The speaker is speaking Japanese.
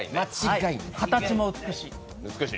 形も美しい。